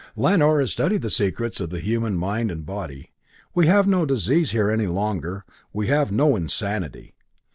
Lanor has studied the secrets of the human mind and body. We have no disease here any longer; we have no insanity.